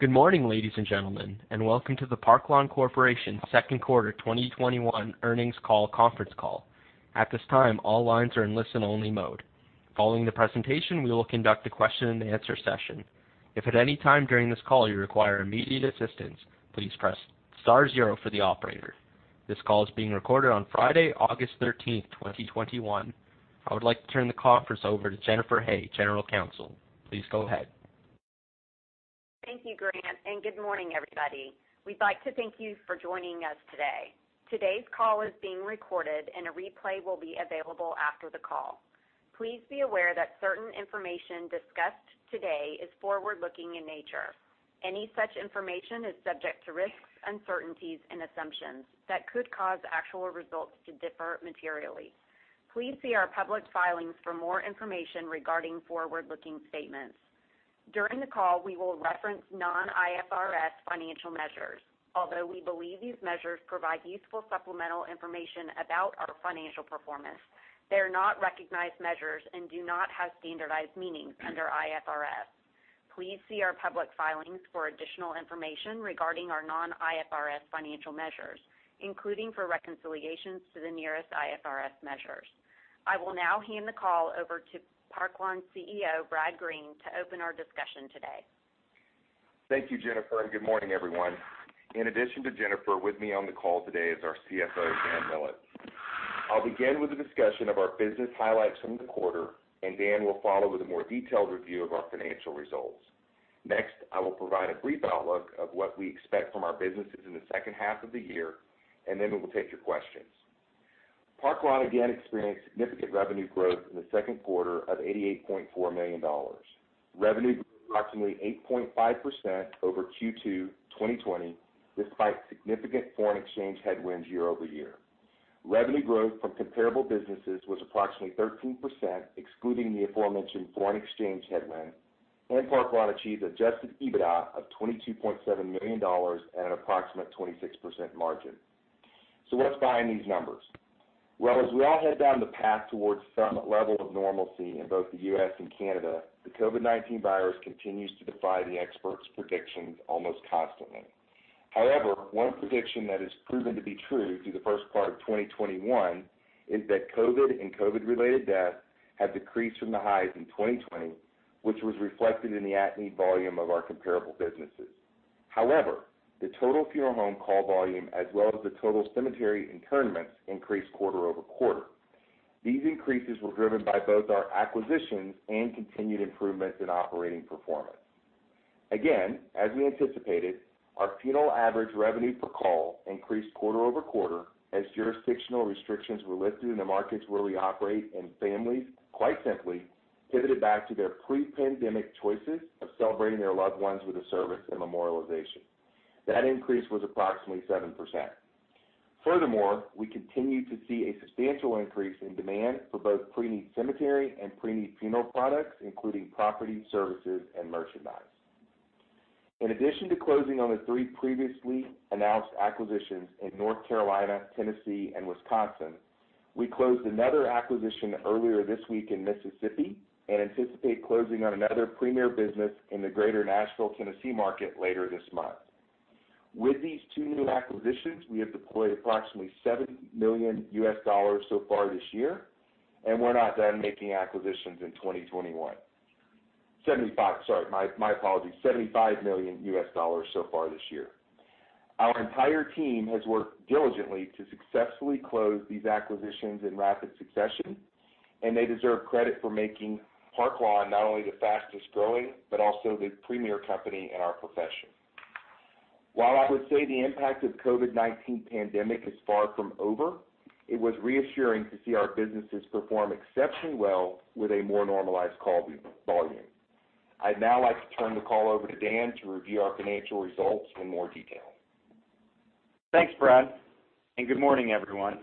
Good morning, ladies and gentlemen, and welcome to the Park Lawn Corporation second quarter 2021 earnings call conference call. At this time, all lines are in listen-only mode. Following the presentation, we will conduct a question and answer session. If at any time during this call you require immediate assistance, please press star zero for the operator. This call is being recorded on Friday, August 13th, 2021. I would like to turn the conference over to Jennifer Hay, General Counsel. Please go ahead. Thank you, Grant, and good morning, everybody. We'd like to thank you for joining us today. Today's call is being recorded and a replay will be available after the call. Please be aware that certain information discussed today is forward-looking in nature. Any such information is subject to risks, uncertainties, and assumptions that could cause actual results to differ materially. Please see our public filings for more information regarding forward-looking statements. During the call, we will reference non-IFRS financial measures. Although we believe these measures provide useful supplemental information about our financial performance, they are not recognized measures and do not have standardized meanings under IFRS. Please see our public filings for additional information regarding our non-IFRS financial measures, including for reconciliations to the nearest IFRS measures. I will now hand the call over to Park Lawn CEO, Brad Green, to open our discussion today. Thank you, Jennifer, and good morning, everyone. In addition to Jennifer, with me on the call today is our CFO, Daniel Millett. I'll begin with a discussion of our business highlights from the quarter. Dan will follow with a more detailed review of our financial results. Next, I will provide a brief outlook of what we expect from our businesses in the second half of the year. Then we will take your questions. Park Lawn again experienced significant revenue growth in the second quarter of 88.4 million dollars. Revenue grew approximately 8.5% over Q2 2020, despite significant foreign exchange headwinds year-over-year. Revenue growth from comparable businesses was approximately 13%, excluding the aforementioned foreign exchange headwind. Park Lawn achieved Adjusted EBITDA of 22.7 million dollars at an approximate 26% margin. What's behind these numbers? Well, as we all head down the path towards some level of normalcy in both the U.S. and Canada, the COVID-19 virus continues to defy the experts' predictions almost constantly. However, one prediction that has proven to be true through the first part of 2021 is that COVID and COVID-related deaths have decreased from the highs in 2020, which was reflected in the at-need volume of our comparable businesses. However, the total funeral home call volume as well as the total cemetery interments increased quarter-over-quarter. These increases were driven by both our acquisitions and continued improvements in operating performance. Again, as we anticipated, our funeral average revenue per call increased quarter-over-quarter as jurisdictional restrictions were lifted in the markets where we operate and families quite simply pivoted back to their pre-pandemic choices of celebrating their loved ones with a service and memorialization. That increase was approximately 7%. Furthermore, we continued to see a substantial increase in demand for both pre-need cemetery and pre-need funeral products, including property, services, and merchandise. In addition to closing on the three previously announced acquisitions in North Carolina, Tennessee, and Wisconsin, we closed another acquisition earlier this week in Mississippi and anticipate closing on another premier business in the greater Nashville, Tennessee market later this month. With these two new acquisitions, we have deployed approximately $7 million US dollars so far this year, and we're not done making acquisitions in 2021. 75, sorry. My apologies. $75 million US dollars so far this year. Our entire team has worked diligently to successfully close these acquisitions in rapid succession. They deserve credit for making Park Lawn not only the fastest-growing but also the premier company in our profession. While I would say the impact of COVID-19 pandemic is far from over, it was reassuring to see our businesses perform exceptionally well with a more normalized call volume. I'd now like to turn the call over to Dan to review our financial results in more detail. Thanks, Brad, and good morning, everyone.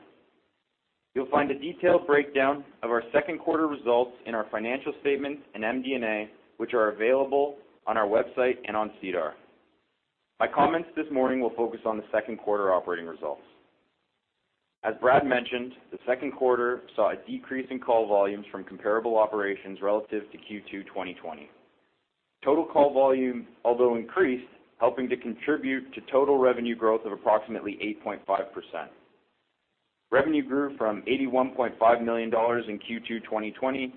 You'll find a detailed breakdown of our second quarter results in our financial statements and MD&A, which are available on our website and on SEDAR. My comments this morning will focus on the second quarter operating results. As Brad mentioned, the second quarter saw a decrease in call volumes from comparable operations relative to Q2 2020. Total call volume although increased, helping to contribute to total revenue growth of approximately 8.5%. Revenue grew from 81.5 million dollars in Q2 2020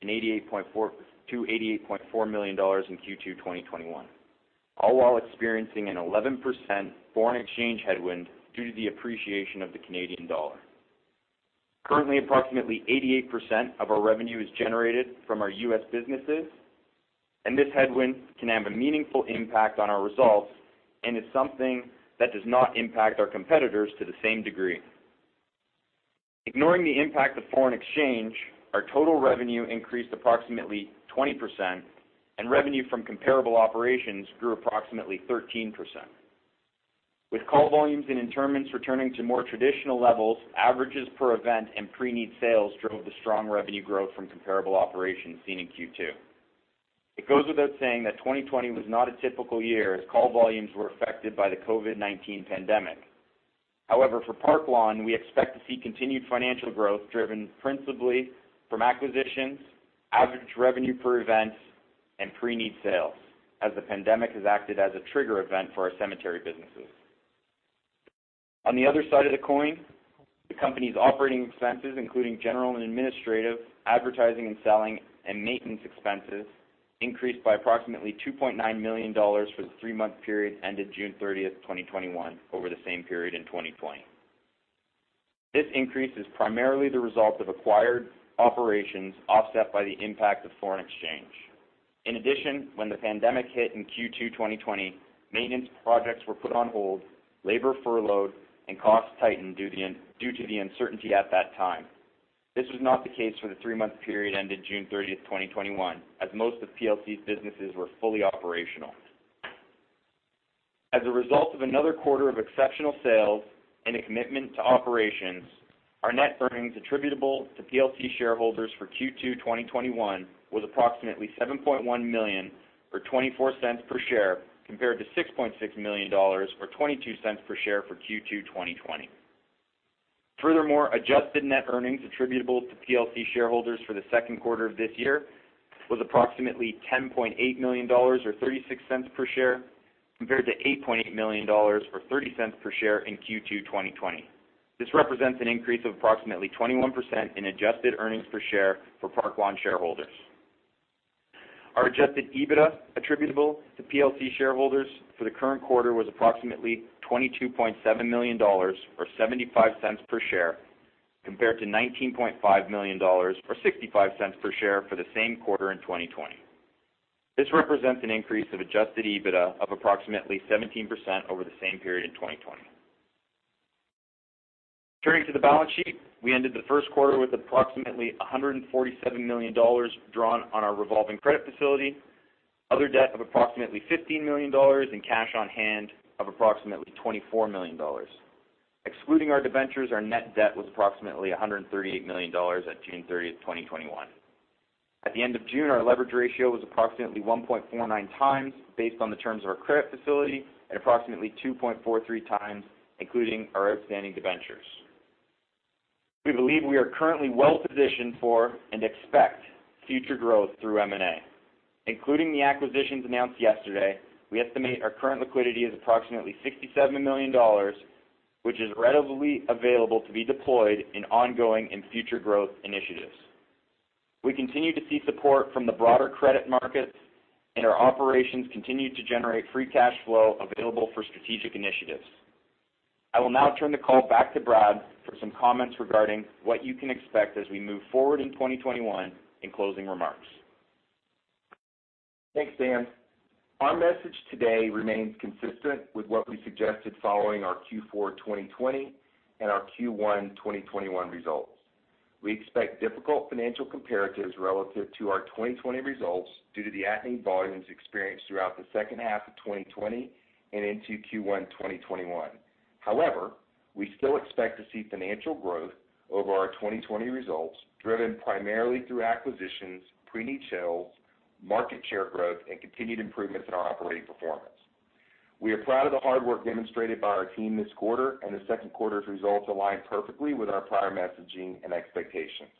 to 88.4 million dollars in Q2 2021, all while experiencing an 11% foreign exchange headwind due to the appreciation of the Canadian dollar. Currently, approximately 88% of our revenue is generated from our U.S. businesses, and this headwind can have a meaningful impact on our results and is something that does not impact our competitors to the same degree. Ignoring the impact of foreign exchange, our total revenue increased approximately 20% and revenue from comparable operations grew approximately 13%. With call volumes and interments returning to more traditional levels, averages per event and pre-need sales drove the strong revenue growth from comparable operations seen in Q2. It goes without saying that 2020 was not a typical year as call volumes were affected by the COVID-19 pandemic. However, for Park Lawn, we expect to see continued financial growth driven principally from acquisitions, average revenue per event, and pre-need sales, as the pandemic has acted as a trigger event for our cemetery businesses. On the other side of the coin, the company's operating expenses, including general and administrative, advertising and selling, and maintenance expenses, increased by approximately 2.9 million dollars for the three-month period ended June 30th, 2021, over the same period in 2020. This increase is primarily the result of acquired operations offset by the impact of foreign exchange. In addition, when the pandemic hit in Q2 2020, maintenance projects were put on hold, labor furloughed, and costs tightened due to the uncertainty at that time. This was not the case for the three-month period ended June 30th, 2021, as most of PLC's businesses were fully operational. As a result of another quarter of exceptional sales and a commitment to operations, our net earnings attributable to PLC shareholders for Q2 2021 was approximately 7.1 million, or 0.24 per share, compared to 6.6 million dollars or 0.22 per share for Q2 2020. Furthermore, adjusted net earnings attributable to PLC shareholders for the second quarter of this year was approximately 10.8 million dollars or 0.36 per share, compared to 8.8 million dollars or 0.30 per share in Q2 2020. This represents an increase of approximately 21% in adjusted earnings per share for Park Lawn shareholders. Our Adjusted EBITDA attributable to PLC shareholders for the current quarter was approximately 22.7 million dollars or 0.75 per share, compared to 19.5 million dollars or 0.65 per share for the same quarter in 2020. This represents an increase of Adjusted EBITDA of approximately 17% over the same period in 2020. Turning to the balance sheet, we ended the first quarter with approximately 147 million dollars drawn on our revolving credit facility, other debt of approximately 15 million dollars, and cash on hand of approximately 24 million dollars. Excluding our debentures, our net debt was approximately 138 million dollars at June 30th, 2021. At the end of June, our leverage ratio was approximately 1.49 times based on the terms of our credit facility and approximately 2.43 times including our outstanding debentures. We believe we are currently well-positioned for and expect future growth through M&A. Including the acquisitions announced yesterday, we estimate our current liquidity is approximately 67 million dollars, which is readily available to be deployed in ongoing and future growth initiatives. We continue to see support from the broader credit markets, and our operations continue to generate free cash flow available for strategic initiatives. I will now turn the call back to Brad for some comments regarding what you can expect as we move forward in 2021 and closing remarks. Thanks, Dan. Our message today remains consistent with what we suggested following our Q4 2020 and our Q1 2021 results. We expect difficult financial comparatives relative to our 2020 results due to the at-need volumes experienced throughout the second half of 2020 and into Q1 2021. We still expect to see financial growth over our 2020 results, driven primarily through acquisitions, pre-need sales, market share growth, and continued improvements in our operating performance. We are proud of the hard work demonstrated by our team this quarter, and the second quarter's results align perfectly with our prior messaging and expectations.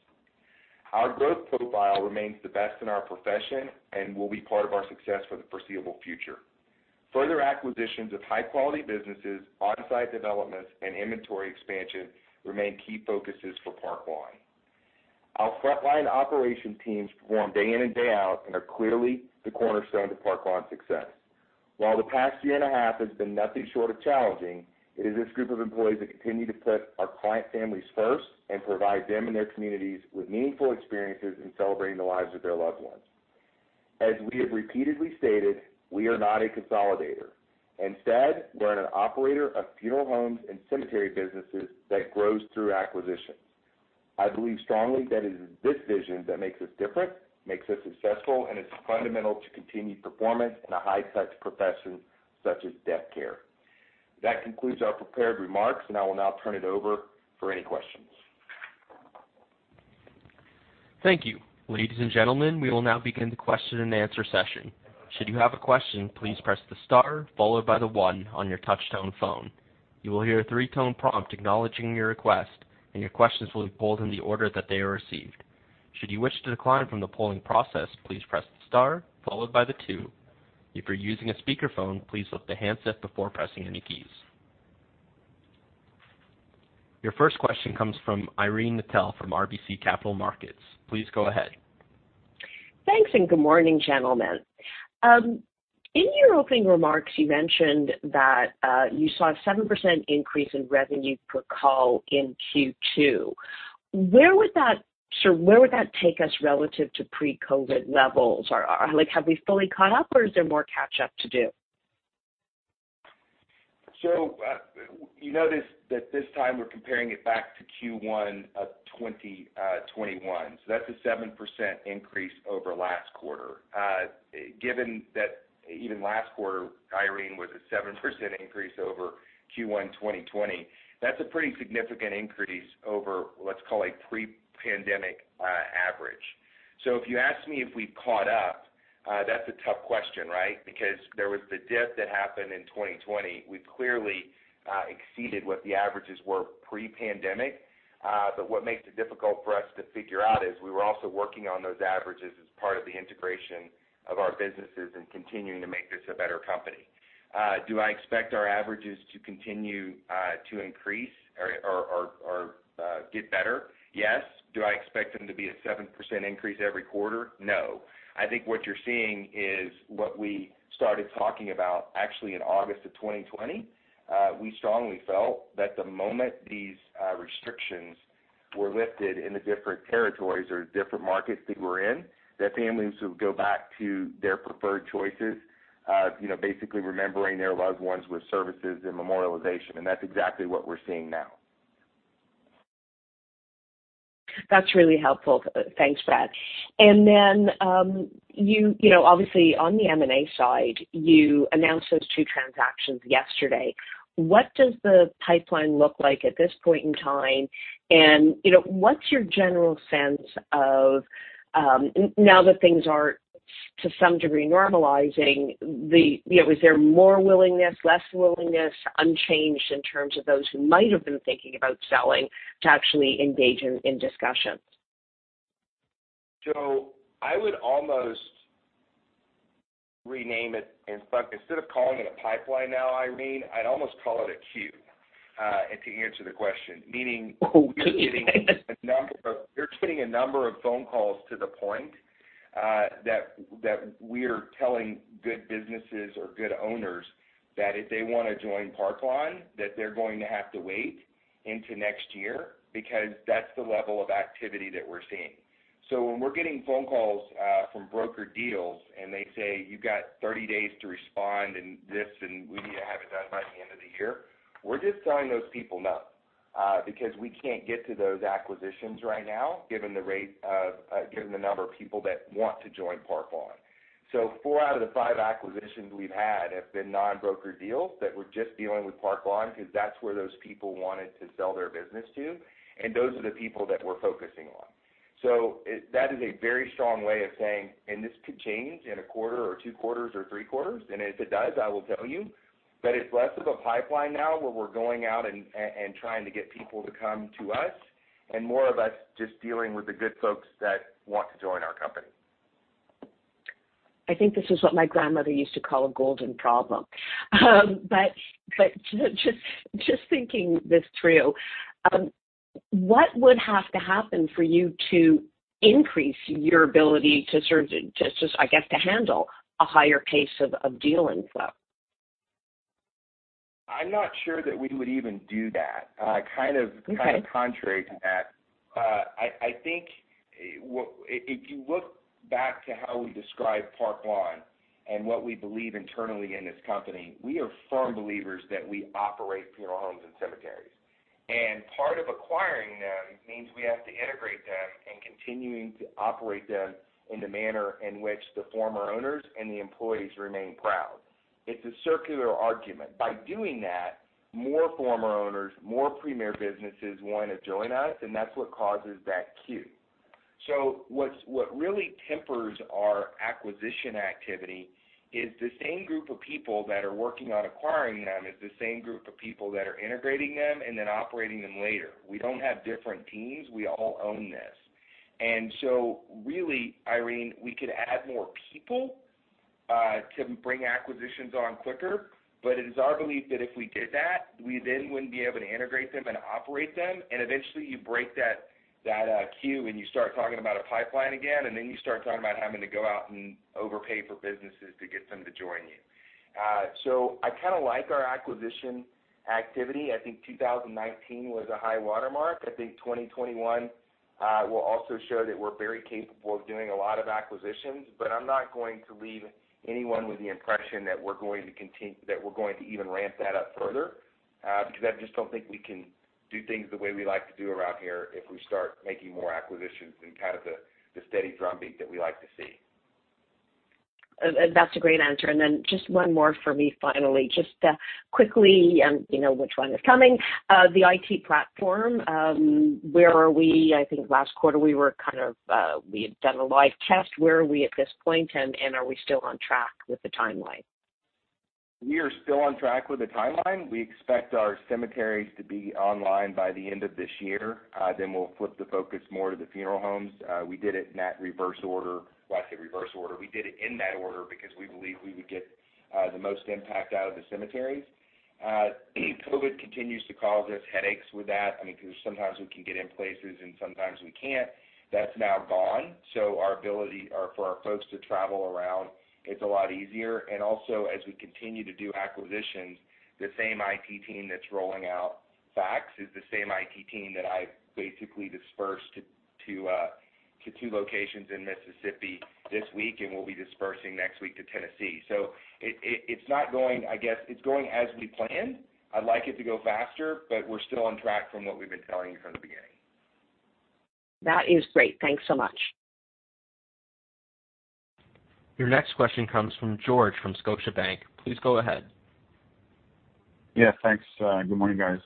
Our growth profile remains the best in our profession and will be part of our success for the foreseeable future. Further acquisitions of high-quality businesses, on-site developments, and inventory expansion remain key focuses for Park Lawn. Our frontline operation teams perform day in and day out and are clearly the cornerstone to Park Lawn success. While the past year and a half has been nothing short of challenging, it is this group of employees that continue to put our client families first and provide them and their communities with meaningful experiences in celebrating the lives of their loved ones. As we have repeatedly stated, we are not a consolidator. Instead, we're an operator of funeral homes and cemetery businesses that grows through acquisitions. I believe strongly that it is this vision that makes us different, makes us successful, and is fundamental to continued performance in a high-touch profession such as death care. That concludes our prepared remarks, and I will now turn it over for any questions. Thank you. Ladies and gentlemen, we will now begin the question and answer session. Your first question comes from Irene Nattel from RBC Capital Markets. Please go ahead. Thanks, and good morning, gentlemen. In your opening remarks, you mentioned that you saw a 7% increase in revenue per call in Q2. Where would that take us relative to pre-COVID levels? Have we fully caught up, or is there more catch-up to do? You notice that this time we're comparing it back to Q1 2021. That's a 7% increase over last quarter. Given that even last quarter, Irene, was a 7% increase over Q1 2020, that's a pretty significant increase over let's call a pre-pandemic average. If you ask me if we've caught up, that's a tough question, right? There was the dip that happened in 2020. We've clearly exceeded what the averages were pre-pandemic. What makes it difficult for us to figure out is we were also working on those averages as part of the integration of our businesses and continuing to make this a better company. Do I expect our averages to continue to increase or get better? Yes. Do I expect them to be a 7% increase every quarter? No. I think what you're seeing is what we started talking about actually in August of 2020. We strongly felt that the moment these restrictions were lifted in the different territories or different markets that we're in, that families would go back to their preferred choices, basically remembering their loved ones with services and memorialization. That's exactly what we're seeing now. That's really helpful. Thanks, Brad. Obviously on the M&A side, you announced those two transactions yesterday. What does the pipeline look like at this point in time? What's your general sense of, now that things are, to some degree, normalizing, is there more willingness, less willingness, unchanged in terms of those who might have been thinking about selling to actually engage in discussions? I would almost rename it, in fact, instead of calling it a pipeline now, Irene, I'd almost call it a queue, and to answer the question, meaning, we're getting a number of phone calls to the point that we're telling good businesses or good owners that if they want to join Park Lawn, that they're going to have to wait into next year, because that's the level of activity that we're seeing. When we're getting phone calls from broker deals, and they say, "You've got 30 days to respond," and this, and, "We need to have it done by the end of the year," we're just telling those people no, because we can't get to those acquisitions right now, given the number of people that want to join Park Lawn. Four out of the five acquisitions we've had have been non-broker deals that were just dealing with Park Lawn because that's where those people wanted to sell their business to, and those are the people that we're focusing on. That is a very strong way of saying, and this could change in a quarter or two quarters or three quarters, and if it does, I will tell you, but it's less of a pipeline now where we're going out and trying to get people to come to us, and more of us just dealing with the good folks that want to join our company. I think this is what my grandmother used to call a golden problem. Just thinking this through, what would have to happen for you to increase your ability to sort of just, I guess, to handle a higher pace of deal inflow? I'm not sure that we would even do that. Okay. Kind of contrary to that, I think if you look back to how we describe Park Lawn and what we believe internally in this company, we are firm believers that we operate funeral homes and cemeteries. Part of acquiring them means we have to integrate them and continuing to operate them in the manner in which the former owners and the employees remain proud. It's a circular argument. By doing that, more former owners, more premier businesses want to join us. That's what causes that queue. What really tempers our acquisition activity is the same group of people that are working on acquiring them is the same group of people that are integrating them and then operating them later. We don't have different teams. We all own this. Really, Irene, we could add more people to bring acquisitions on quicker, but it is our belief that if we did that, we then wouldn't be able to integrate them and operate them, and eventually you break that queue, and you start talking about a pipeline again, and then you start talking about having to go out and overpay for businesses to get them to join you. I kind of like our acquisition activity. I think 2019 was a high watermark. I think 2021 will also show that we're very capable of doing a lot of acquisitions, but I'm not going to leave anyone with the impression that we're going to even ramp that up further, because I just don't think we can do things the way we like to do around here if we start making more acquisitions than kind of the steady drumbeat that we like to see. That's a great answer. Then just one more from me, finally. Just quickly, you know which one is coming. The IT platform, where are we? I think last quarter we had done a live test. Where are we at this point, and are we still on track with the timeline? We are still on track with the timeline. We expect our cemeteries to be online by the end of this year. We'll flip the focus more to the funeral homes. We did it in that reverse order. Well, I say reverse order. We did it in that order because we believed we would get the most impact out of the cemeteries. COVID continues to cause us headaches with that because sometimes we can get in places and sometimes we can't. That's now gone. Our ability for our folks to travel around, it's a lot easier. Also, as we continue to do acquisitions, the same IT team that's rolling out FaCTS is the same IT team that I basically dispersed to two locations in Mississippi this week, and we'll be dispersing next week to Tennessee. It's not going. I guess it's going as we planned. I'd like it to go faster, but we're still on track from what we've been telling you from the beginning. That is great. Thanks so much. Your next question comes from George from Scotiabank. Please go ahead. Yeah, thanks. Good morning, guys.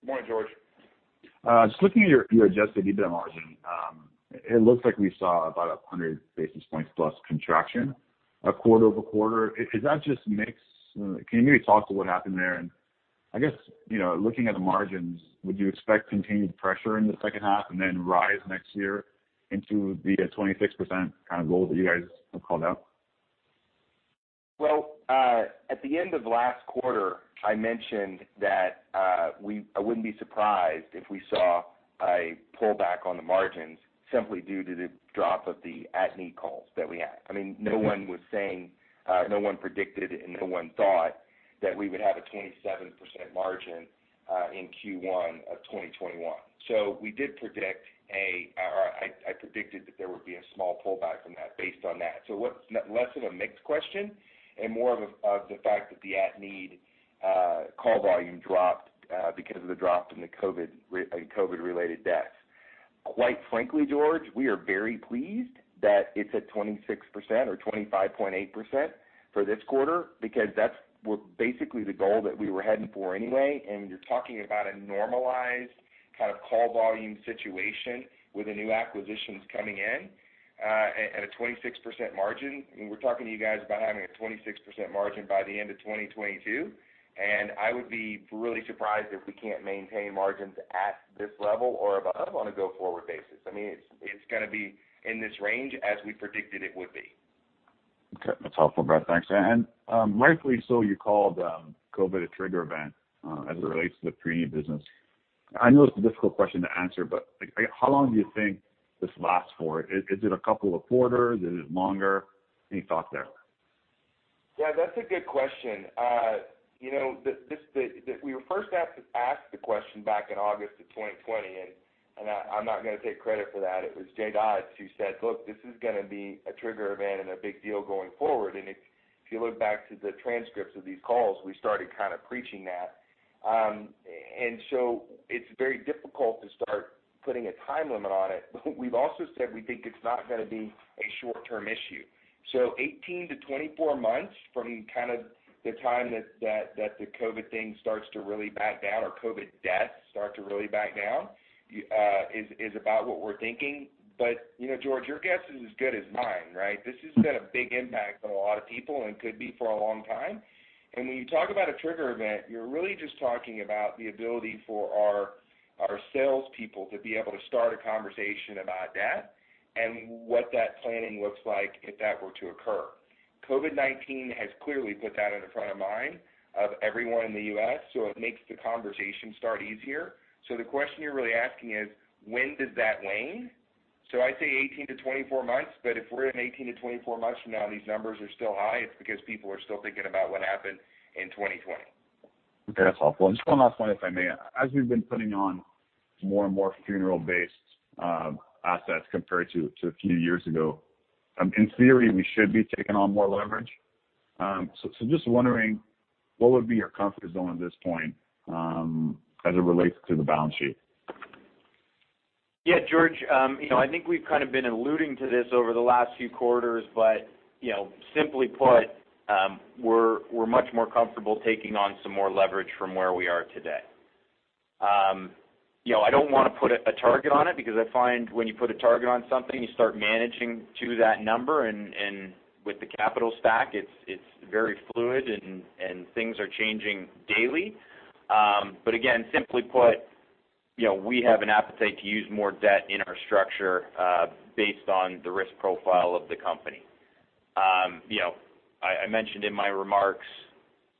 Good morning, George. Just looking at your Adjusted EBITDA margin, it looks like we saw about 100 basis points plus contraction quarter-over-quarter. Is that just mix? Can you maybe talk to what happened there? I guess, looking at the margins, would you expect continued pressure in the second half and then rise next year into the 26% kind of goal that you guys have called out? At the end of last quarter, I mentioned that I wouldn't be surprised if we saw a pullback on the margins simply due to the drop of the at-need calls that we had. No one was saying, no one predicted, and no one thought that we would have a 27% margin in Q1 2021. I predicted that there would be a small pullback from that based on that. Less of a mixed question and more of the fact that the at-need call volume dropped because of the drop in the COVID-related deaths. Quite frankly, George, we are very pleased that it's at 26% or 25.8% for this quarter because that's basically the goal that we were heading for anyway. You're talking about a normalized kind of call volume situation with the new acquisitions coming in at a 26% margin. We're talking to you guys about having a 26% margin by the end of 2022. I would be really surprised if we can't maintain margins at this level or above on a go-forward basis. It's going to be in this range as we predicted it would be. Okay. That's helpful, Brad, thanks. Rightly so, you called COVID a trigger event as it relates to the pre-need business. I know it's a difficult question to answer, but how long do you think this lasts for? Is it a couple of quarters? Is it longer? Any thoughts there? Yeah, that's a good question. We were first asked the question back in August of 2020. I'm not going to take credit for that. It was Jay Dodds who said, "Look, this is going to be a trigger event and a big deal going forward." If you look back to the transcripts of these calls, we started kind of preaching that. It's very difficult to start putting a time limit on it. We've also said we think it's not going to be a short-term issue. 18-24 months from kind of the time that the COVID thing starts to really back down or COVID deaths start to really back down, is about what we're thinking. George, your guess is as good as mine, right? This has been a big impact on a lot of people and could be for a long time. When you talk about a trigger event, you're really just talking about the ability for our salespeople to be able to start a conversation about death and what that planning looks like if that were to occur. COVID-19 has clearly put that in the front of mind of everyone in the U.S., so it makes the conversation start easier. The question you're really asking is: when does that wane? I say 18 to 24 months, but if we're in 18 to 24 months from now, and these numbers are still high, it's because people are still thinking about what happened in 2020. Okay, that's helpful. Just one last one, if I may. As we've been putting on more and more funeral-based assets compared to a few years ago, in theory, we should be taking on more leverage. Just wondering, what would be your comfort zone at this point as it relates to the balance sheet? George, I think we've kind of been alluding to this over the last few quarters. Simply put, we're much more comfortable taking on some more leverage from where we are today. I don't want to put a target on it because I find when you put a target on something, you start managing to that number. With the capital stack, it's very fluid and things are changing daily. Again, simply put, we have an appetite to use more debt in our structure based on the risk profile of the company. I mentioned in my remarks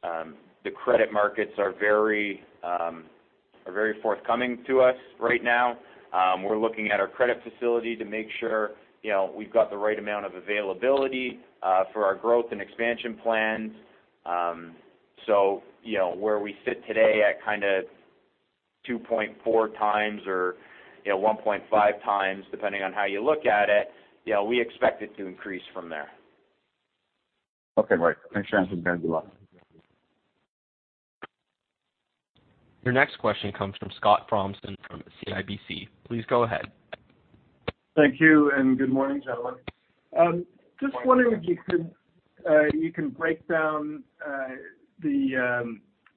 the credit markets are very forthcoming to us right now. We're looking at our credit facility to make sure we've got the right amount of availability for our growth and expansion plans. Where we sit today at kind of 2.4 times or 1.5 times, depending on how you look at it, we expect it to increase from there. Okay, right. Thanks for answering. Good luck. Your next question comes from Scott Fromson from CIBC. Please go ahead. Thank you, and good morning, gentlemen. Just wondering if you could break down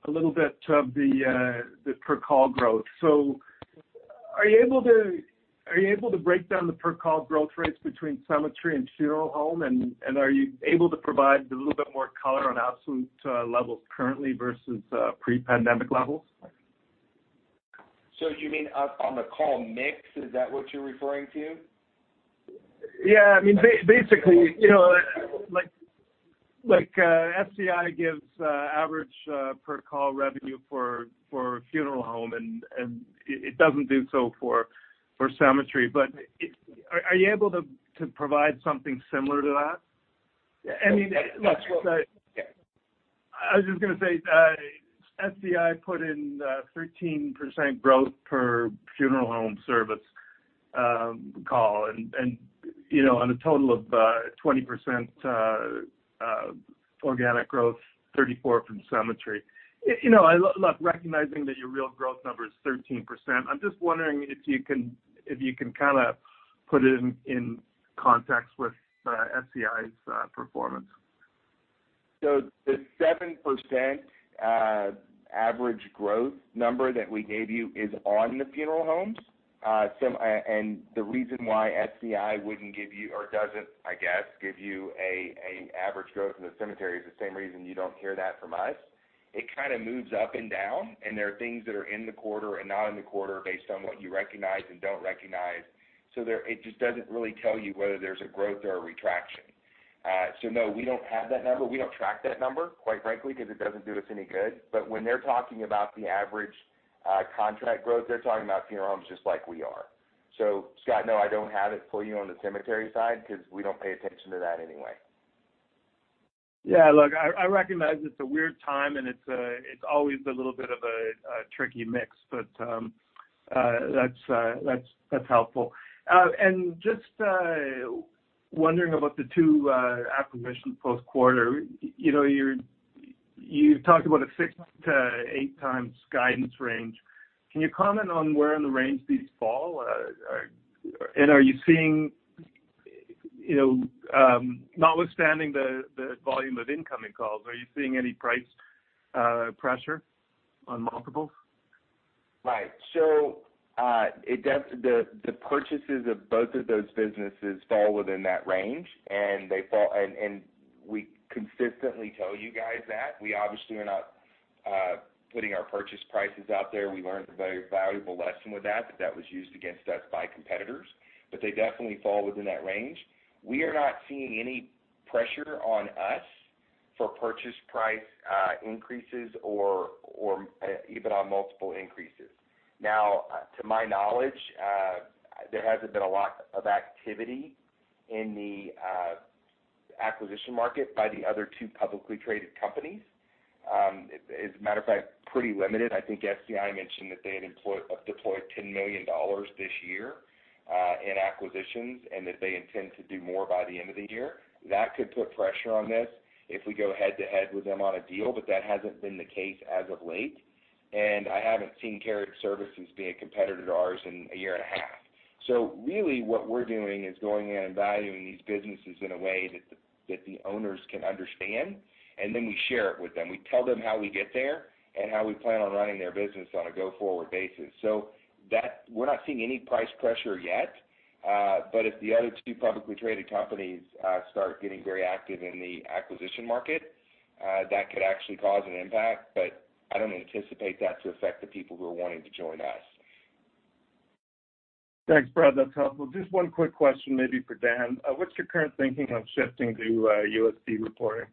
a little bit of the per-call growth. Are you able to break down the per-call growth rates between cemetery and funeral home? Are you able to provide a little bit more color on absolute levels currently versus pre-pandemic levels? Do you mean on the call mix? Is that what you're referring to? Yeah. Basically, like SCI gives average per-call revenue for funeral home, and it doesn't do so for cemetery. Are you able to provide something similar to that? I mean- I was just going to say, SCI put in 13% growth per funeral home service call and a total of 20% of organic growth, 34 from cemetery. Look, recognizing that your real growth number is 13%, I'm just wondering if you can put it in context with SCI's performance. The 7% average growth number that we gave you is on the funeral homes. The reason why SCI wouldn't give you, or doesn't, I guess, give you a average growth in the cemetery is the same reason you don't hear that from us. It kind of moves up and down, and there are things that are in the quarter and not in the quarter based on what you recognize and don't recognize. It just doesn't really tell you whether there's a growth or a retraction. No, we don't have that number. We don't track that number, quite frankly, because it doesn't do us any good. When they're talking about the average contract growth, they're talking about funeral homes just like we are. Scott, no, I don't have it for you on the cemetery side because we don't pay attention to that anyway. Yeah, look, I recognize it's a weird time, and it's always a little bit of a tricky mix, but that's helpful. Just wondering about the two acquisitions post-quarter. You talked about a 6x-8x guidance range. Can you comment on where in the range these fall? Notwithstanding the volume of incoming calls, are you seeing any price pressure on multiples? Right. The purchases of both of those businesses fall within that range, and we consistently tell you guys that. We obviously are not putting our purchase prices out there. We learned a very valuable lesson with that was used against us by competitors. They definitely fall within that range. We are not seeing any pressure on us for purchase price increases or EBITDA multiple increases. To my knowledge, there hasn't been a lot of activity in the acquisition market by the other two publicly traded companies. As a matter of fact, pretty limited. I think SCI mentioned that they had deployed 10 million dollars this year in acquisitions, and that they intend to do more by the end of the year. That could put pressure on this if we go head to head with them on a deal, but that hasn't been the case as of late. I haven't seen Carriage Services be a competitor to ours in a year and a half. Really what we're doing is going in and valuing these businesses in a way that the owners can understand, and then we share it with them. We tell them how we get there, and how we plan on running their business on a go-forward basis. We're not seeing any price pressure yet. If the other two publicly traded companies start getting very active in the acquisition market, that could actually cause an impact. I don't anticipate that to affect the people who are wanting to join us. Thanks, Brad. That's helpful. Just one quick question, maybe for Dan. What's your current thinking on shifting to USD reporting?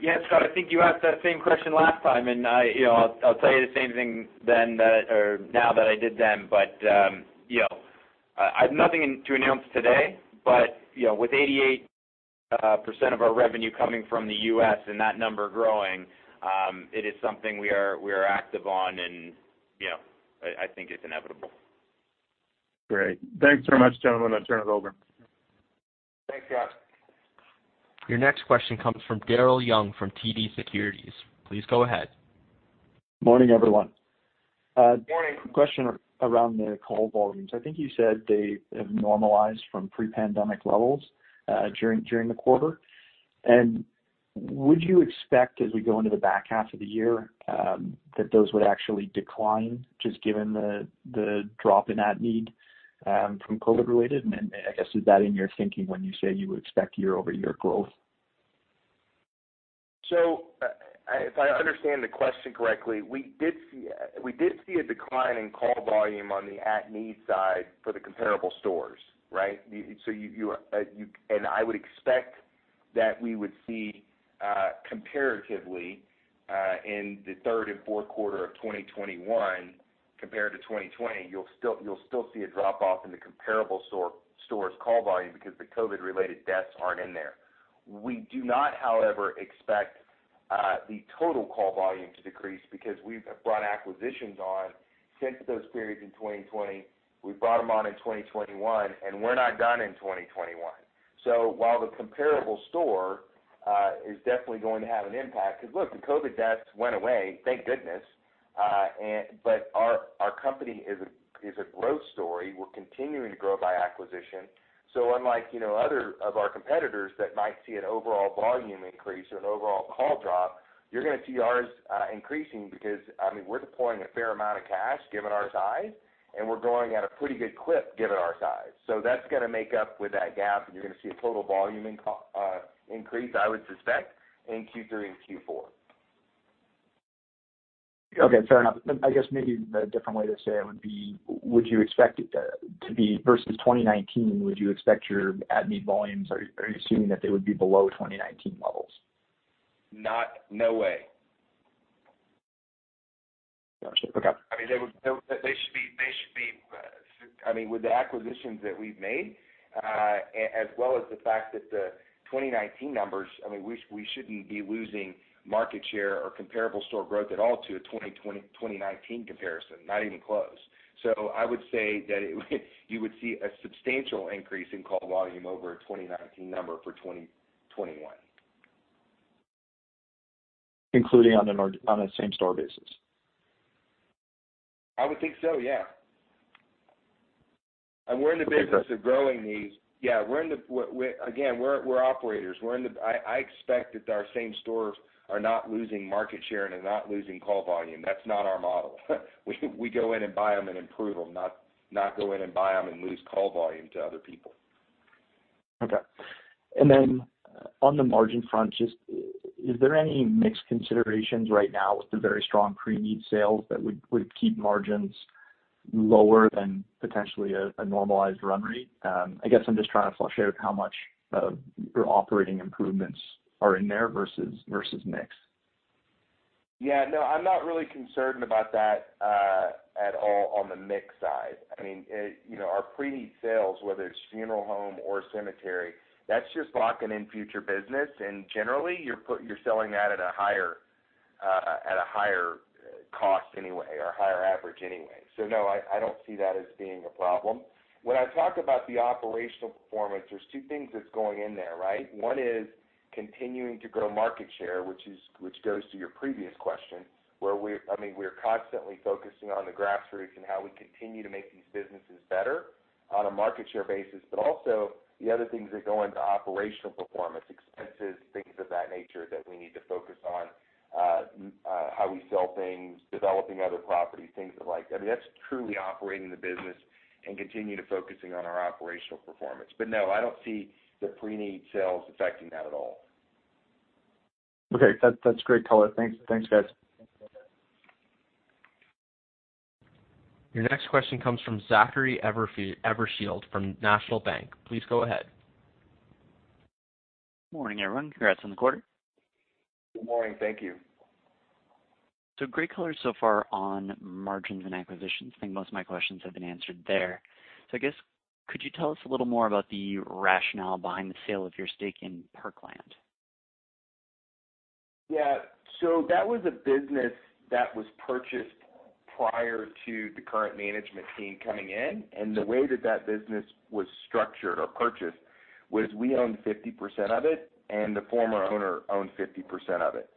Yeah, Scott, I think you asked that same question last time, and I'll tell you the same thing now that I did then. I have nothing to announce today. With 88% of our revenue coming from the U.S. and that number growing, it is something we are active on, and I think it's inevitable. Great. Thanks very much, gentlemen. I turn it over. Thanks, Scott. Your next question comes from Daryl Young from TD Securities. Please go ahead. Morning, everyone. Morning. Question around the call volumes. I think you said they have normalized from pre-pandemic levels during the quarter. Would you expect, as we go into the back half of the year, that those would actually decline, just given the drop in at-need from COVID related? Then I guess, is that in your thinking when you say you would expect year-over-year growth? If I understand the question correctly, we did see a decline in call volume on the at-need side for the comparable stores, right? I would expect that we would see comparatively in the third and fourth quarter of 2021 compared to 2020, you'll still see a drop off in the comparable stores call volume because the COVID related deaths aren't in there. We do not, however, expect the total call volume to decrease because we've brought acquisitions on since those periods in 2020. We brought them on in 2021, and we're not done in 2021. While the comparable store is definitely going to have an impact, because look, the COVID deaths went away, thank goodness. Our company is a growth story. We're continuing to grow by acquisition. Unlike other of our competitors that might see an overall volume increase or an overall call drop, you're going to see ours increasing because we're deploying a fair amount of cash given our size, and we're growing at a pretty good clip given our size. That's going to make up with that gap, and you're going to see a total volume increase, I would suspect, in Q3 and Q4. Okay. Fair enough. I guess maybe a different way to say it would be versus 2019, would you expect your at-need volumes, are you assuming that they would be below 2019 levels? No way. Okay. With the acquisitions that we've made, as well as the fact that the 2019 numbers, we shouldn't be losing market share or comparable store growth at all to a 2019 comparison, not even close. I would say that you would see a substantial increase in call volume over a 2019 number for 2021. Including on a same-store basis? I would think so, yeah. We're in the business of growing these. Again, we're operators. I expect that our same stores are not losing market share and are not losing call volume. That's not our model. We go in and buy them and improve them, not go in and buy them and lose call volume to other people. Okay. On the margin front, just is there any mix considerations right now with the very strong pre-need sales that would keep margins lower than potentially a normalized run rate? I guess I'm just trying to flush out how much of your operating improvements are in there versus mix. Yeah, no, I'm not really concerned about that at all on the mix side. Our pre-need sales, whether it's funeral home or cemetery, that's just locking in future business, and generally, you're selling that at a higher cost anyway, or higher average anyway. No, I don't see that as being a problem. When I talk about the operational performance, there's two things that's going in there, right? One is continuing to grow market share, which goes to your previous question, where we are constantly focusing on the grassroots and how we continue to make these businesses better on a market share basis. The other things that go into operational performance, expenses, things of that nature that we need to focus on, how we sell things, developing other properties, things like That's truly operating the business and continue to focusing on our operational performance. No, I don't see the pre-need sales affecting that at all. Okay. That's great color. Thanks, guys. Your next question comes from Zachary Evershed from National Bank. Please go ahead. Morning, everyone. Congrats on the quarter. Good morning. Thank you. Great color so far on margins and acquisitions. I think most of my questions have been answered there. I guess, could you tell us a little more about the rationale behind the sale of your stake in Park Lawn? Yeah. That was a business that was purchased prior to the current management team coming in, and the way that that business was structured or purchased was we owned 50% of it, and the former owner owned 50% of it.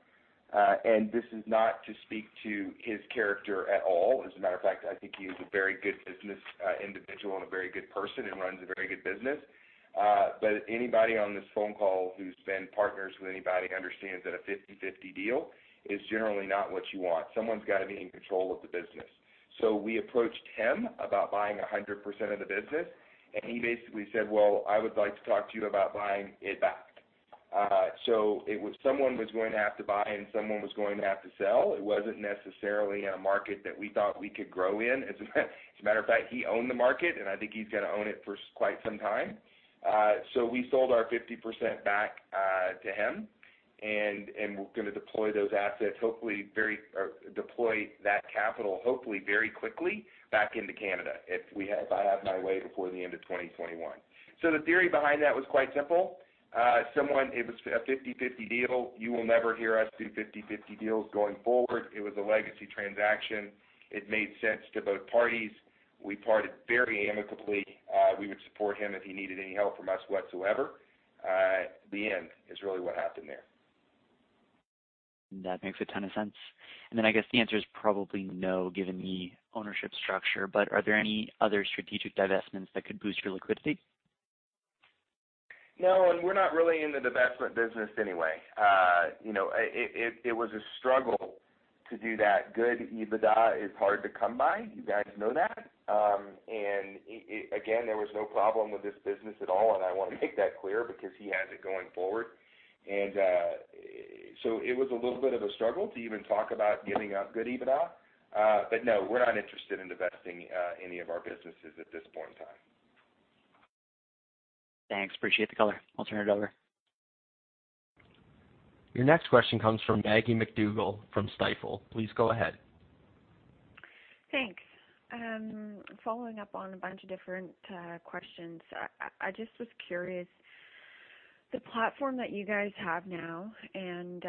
This is not to speak to his character at all. As a matter of fact, I think he is a very good business individual and a very good person and runs a very good business. Anybody on this phone call who's been partners with anybody understands that a 50/50 deal is generally not what you want. Someone's got to be in control of the business. We approached him about buying 100% of the business, and he basically said, "Well, I would like to talk to you about buying it back." Someone was going to have to buy, and someone was going to have to sell. It wasn't necessarily in a market that we thought we could grow in. As a matter of fact, he owned the market, and I think he's going to own it for quite some time. We sold our 50% back to him, and we're going to deploy that capital, hopefully very quickly back into Canada, if I have my way, before the end of 2021. The theory behind that was quite simple. It was a 50/50 deal. You will never hear us do 50/50 deals going forward. It was a legacy transaction. It made sense to both parties. We parted very amicably. We would support him if he needed any help from us whatsoever. That is really what happened there. That makes a ton of sense. I guess the answer is probably no, given the ownership structure, but are there any other strategic divestments that could boost your liquidity? No, we're not really in the divestment business anyway. It was a struggle to do that. Good EBITDA is hard to come by. You guys know that. Again, there was no problem with this business at all, and I want to make that clear because he has it going forward. It was a little bit of a struggle to even talk about giving up good EBITDA. No, we're not interested in divesting any of our businesses at this point in time. Thanks. Appreciate the color. I'll turn it over. Your next question comes from Maggie MacDougall from Stifel. Please go ahead. Thanks. Following up on a bunch of different questions, I just was curious, the platform that you guys have now, and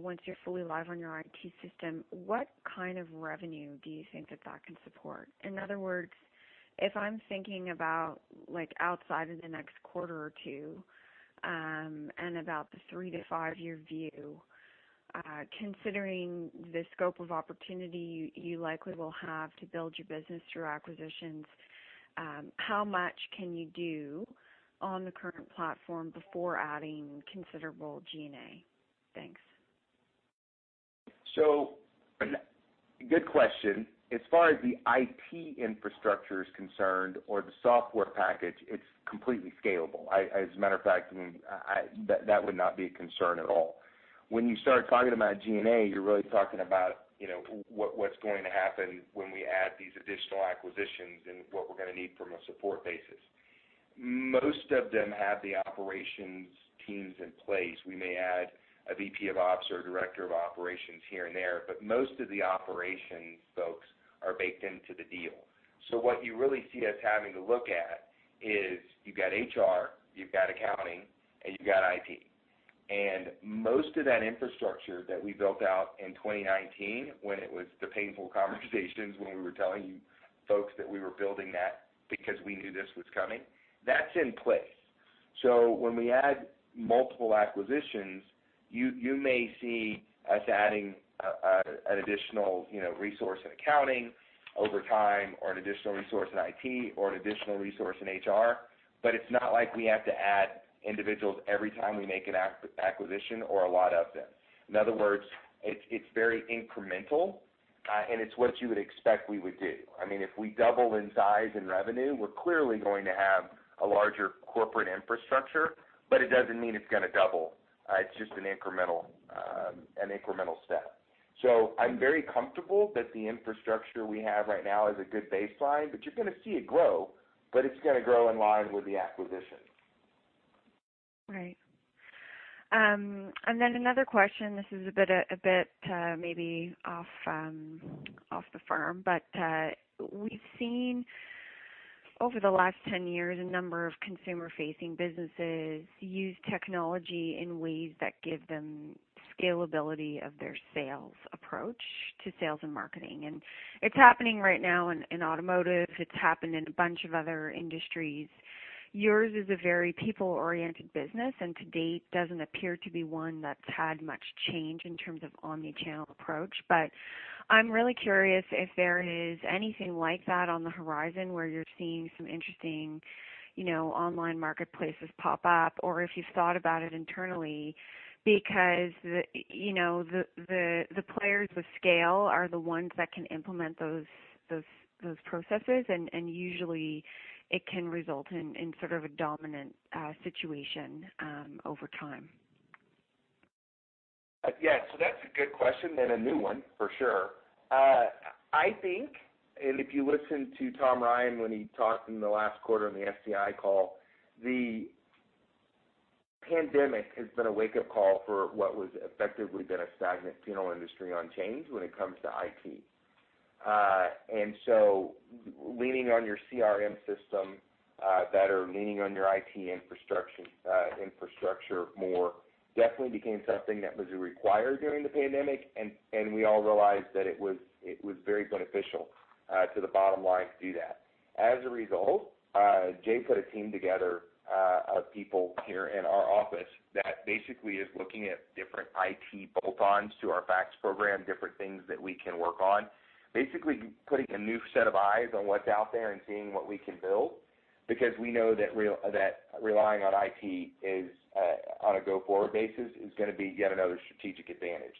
once you're fully live on your IT system, what kind of revenue do you think that that can support? In other words, if I'm thinking about outside of the next quarter or two, and about the three-five year view, considering the scope of opportunity you likely will have to build your business through acquisitions, how much can you do on the current platform before adding considerable G&A? Thanks. Good question. As far as the IT infrastructure is concerned or the software package, it's completely scalable. As a matter of fact, that would not be a concern at all. When you start talking about G&A, you're really talking about what's going to happen when we add these additional acquisitions and what we're going to need from a support basis. Most of them have the operations teams in place. We may add a VP of ops or a director of operations here and there, but most of the operations folks are baked into the deal. What you really see us having to look at is you've got HR, you've got accounting, and you've got IT. Most of that infrastructure that we built out in 2019 when it was the painful conversations when we were telling you folks that we were building that because we knew this was coming, that's in place. When we add multiple acquisitions, you may see us adding an additional resource in accounting over time, or an additional resource in IT, or an additional resource in HR. It's not like we have to add individuals every time we make an acquisition or a lot of them. In other words, it's very incremental, and it's what you would expect we would do. If we double in size and revenue, we're clearly going to have a larger corporate infrastructure, but it doesn't mean it's going to double. It's just an incremental step. I'm very comfortable that the infrastructure we have right now is a good baseline, but you're going to see it grow, but it's going to grow in line with the acquisitions. Right. Another question, this is a bit maybe off the firm, but we've seen over the last 10 years, a number of consumer-facing businesses use technology in ways that give them scalability of their sales approach to sales and marketing. It's happening right now in automotive. It's happened in a bunch of other industries. Yours is a very people-oriented business, and to date, doesn't appear to be one that's had much change in terms of omni-channel approach. I'm really curious if there is anything like that on the horizon where you're seeing some interesting online marketplaces pop up, or if you've thought about it internally. The players with scale are the ones that can implement those processes, and usually it can result in sort of a dominant situation over time. Yeah. That's a good question and a new one for sure. I think, if you listen to Tom Ryan when he talked in the last quarter on the SCI call, the pandemic has been a wake-up call for what was effectively been a stagnant funeral industry on change when it comes to IT. Leaning on your CRM system better, leaning on your IT infrastructure more, definitely became something that was required during the pandemic, and we all realized that it was very beneficial to the bottom line to do that. As a result, Jay put a team together of people here in our office that basically is looking at different IT bolt-ons to our FaCTS program, different things that we can work on. Basically putting a new set of eyes on what's out there and seeing what we can build, because we know that relying on IT on a go-forward basis is going to be yet another strategic advantage.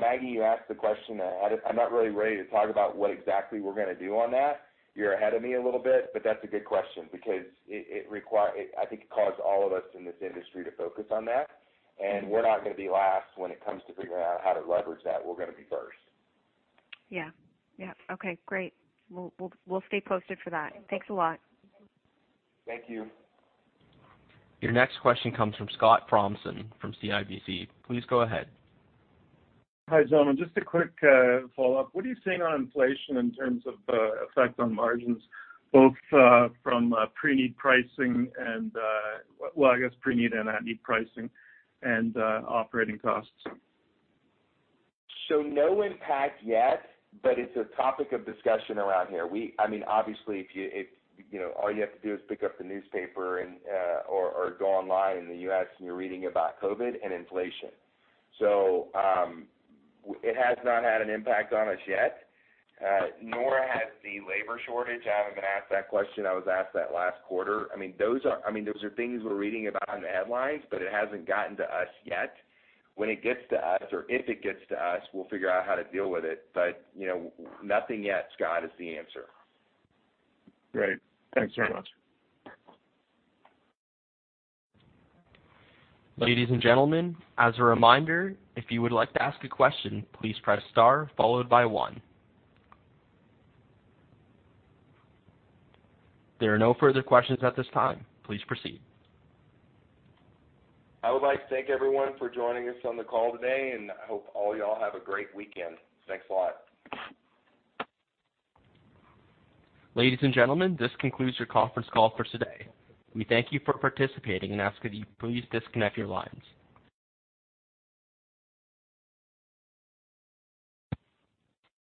Maggie, you asked the question, I'm not really ready to talk about what exactly we're going to do on that. You're ahead of me a little bit, but that's a good question because I think it caused all of us in this industry to focus on that, and we're not going to be last when it comes to figuring out how to leverage that. We're going to be first. Yeah. Okay, great. We'll stay posted for that. Thanks a lot. Thank you. Your next question comes from Scott Fromson from CIBC. Please go ahead. Hi gentlemen, just a quick follow-up. What are you seeing on inflation in terms of effect on margins, both from pre-need pricing, well, I guess pre-need and at-need pricing and operating costs? No impact yet, but it's a topic of discussion around here. Obviously, all you have to do is pick up the newspaper or go online in the U.S., and you're reading about COVID and inflation. It has not had an impact on us yet, nor has the labor shortage. I haven't been asked that question. I was asked that last quarter. Those are things we're reading about in the headlines, but it hasn't gotten to us yet. When it gets to us, or if it gets to us, we'll figure out how to deal with it. Nothing yet, Scott, is the answer. Great. Thanks very much. Ladies and gentlemen, as a reminder, if you would like to ask a question, please press star followed by one. There are no further questions at this time. Please proceed. I would like to thank everyone for joining us on the call today. I hope you all have a great weekend. Thanks a lot. Ladies and gentlemen, this concludes your conference call for today. We thank you for participating and ask that you please disconnect your lines.